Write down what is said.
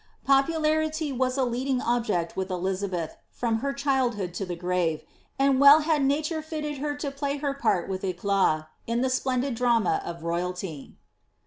Popularity was a leading object with Elizabeth from her childhood to the grave, and well had nature fitted her to play her part with eclat in the splendid drama of ro3ralty.